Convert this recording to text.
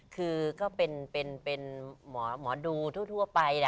คือก็เป็นหมอดูทั่วไปนะ